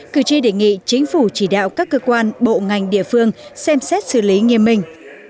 cử tri đề nghị chính phủ chỉ đạo các cơ quan bộ ngành địa phương xem xét xử lý nghiêm minh